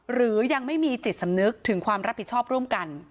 หรือไม่มีจิตสำนึกถึงความรับผิดชอบร่วมกัน